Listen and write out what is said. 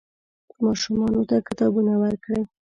ماشومانو ته کتابونه ورکړئ.